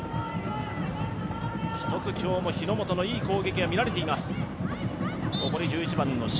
１つ今日も日ノ本のいい攻撃が見られています。